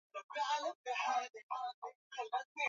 anakiri kuhusu ukandamizaji wa ukweli uliofanywa na Putin